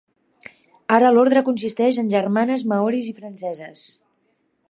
Ara l'ordre consisteix en Germanes maoris i franceses.